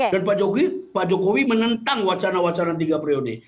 pak jokowi menentang wacana wacana tiga priode